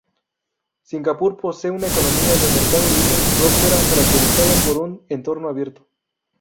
Singapur posee una economía de mercado libre, próspera, caracterizada por un entorno abierto.